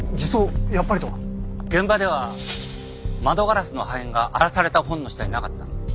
現場では窓ガラスの破片が荒らされた本の下になかった。